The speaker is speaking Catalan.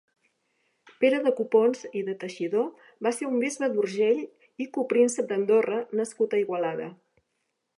Pere de Copons i de Teixidor va ser un bisbe d'Urgell i copríncep d'Andorra nascut a Igualada.